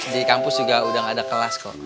di kampus juga udah gak ada kelas kok